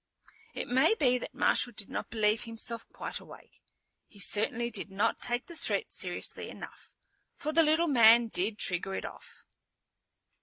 It may be that Marshal did not believe himself quite awake. He certainly did not take the threat seriously enough. For the little man did trigger it off.